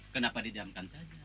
kenapa didiamkan saja